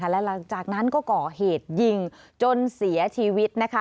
และหลังจากนั้นก็ก่อเหตุยิงจนเสียชีวิต